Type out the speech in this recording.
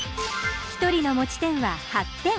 １人の持ち点は８点。